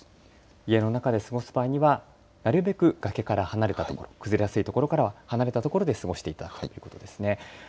家の中で過ごす場合にはなるべく崖から離れた所崩れやすい所から離れた所で過ごしていただくということですね。